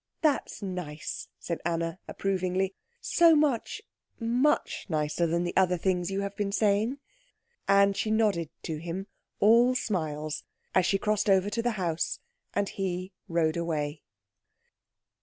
"That's nice," said Anna, approvingly; "so much, much nicer than the other things you have been saying." And she nodded to him, all smiles, as she crossed over to the house and he rode away.